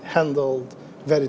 namun di negara negara